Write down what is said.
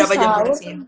berapa jam tadi sih